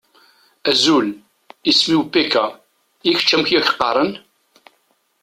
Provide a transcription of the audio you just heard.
Azul! Isem-iw Pecca. I kečč amek i ak-qqaṛen?